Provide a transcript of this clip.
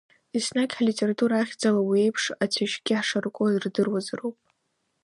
Еснагь ҳлитература ахьӡала уи еиԥш ацәашьгьы шарку рдыруазароуп.